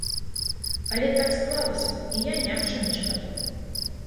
Але так склалася, і я ні аб чым не шкадую.